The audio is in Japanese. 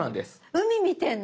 海見てんの私？